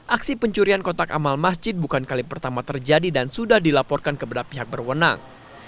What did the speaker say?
aksi pencurian kotak amal masjid bukan kali pertama terjadi dan sudah dilaporkan kepada pihak berwenang